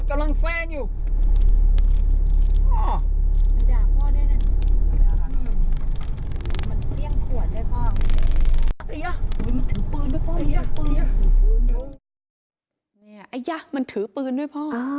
มันถือปืนด้วยพ่อ